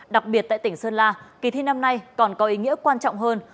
đặc biệt tại tỉnh sơn la kỳ thi năm nay còn có ý nghĩa quan trọng hơn